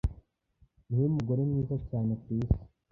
Niwe mugore mwiza cyane kwisi.